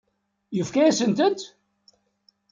Yefka-yasent-tent?